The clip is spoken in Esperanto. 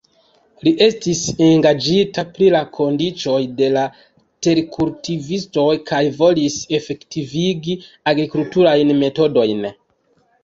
Li estis engaĝita pri la kondiĉoj de la terkultivistoj kaj volis efektivigi agrikulturajn metodojn.